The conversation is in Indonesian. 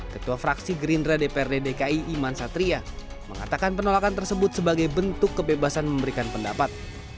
ketua fraksi gerindra dprd dki iman satria mengatakan penolakan tersebut sebagai bentuk kebebasan memberikan pendapat